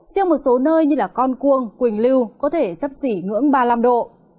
riêng một số nơi như con cuông quỳnh lưu có thể sắp xỉ ngưỡng ba mươi năm độ